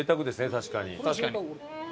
確かに。